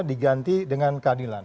diganti dengan keadilan